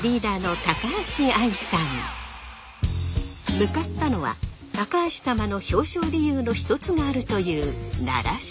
向かったのは高橋様の表彰理由の一つがあるという奈良市。